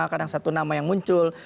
kadang satu nama yang muncul